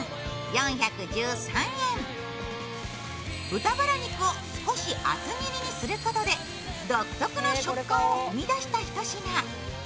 豚バラ肉を少し厚切りにすることで独特の食感を生み出したひと品。